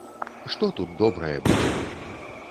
Што тут добрае будзе?